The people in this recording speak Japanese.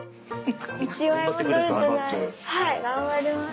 はい頑張ります。